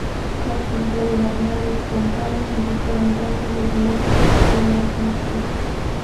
La actividad anormal espontánea indica un daño en el nervio o en el músculo.